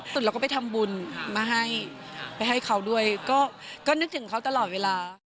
สุดเราก็ไปทำบุญมาให้ไปให้เขาด้วยก็นึกถึงเขาตลอดเวลา